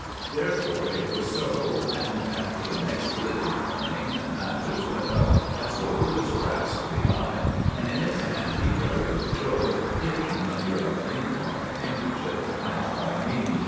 Therefore it was so, and after the next Litany morning Mathers went up, as bold as brass to the eye, and in his hand he carried 'Joe' hidden under a clean pocket handkerchief lent by me.